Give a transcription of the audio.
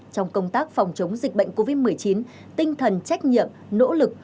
trong công tác phòng chống dịch bệnh covid một mươi chín tinh thần trách nhiệm nỗ lực